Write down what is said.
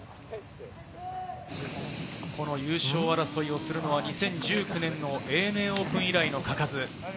優勝争いをするのは２０１９年のＡＮＡオープン以来の嘉数。